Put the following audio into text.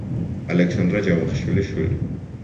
ალექსანდრე ჯავახიშვილის შვილი.